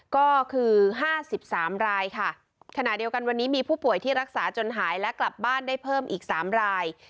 ก็คือ๕๓รายค่ะขณะเดียวกันวันนี้มีผู้ป่วยที่รักษาจนหายและกลับบ้านได้เพิ่มอีก๓ราย